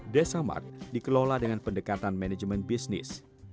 desa mark dikelola dengan pendekatan manajemen bisnis